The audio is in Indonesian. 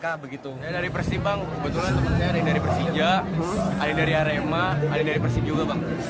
dari persi bang kebetulan temannya dari persija ada dari arema ada dari persi juga bang